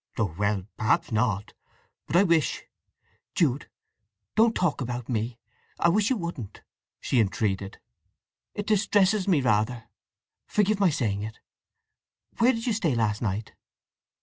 "Oh well—perhaps not… But I wish" "Jude—don't talk about me—I wish you wouldn't!" she entreated. "It distresses me, rather. Forgive my saying it! … Where did you stay last night?"